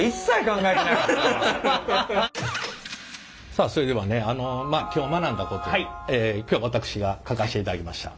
さあそれではねあのまあ今日学んだことを今日私が書かせていただきました。